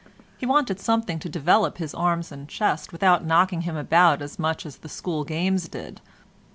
He wanted something to develop his arms and chest without knocking him about as much as the school games did.